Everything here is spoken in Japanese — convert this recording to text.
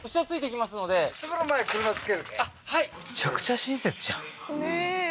むちゃくちゃ親切じゃんねえ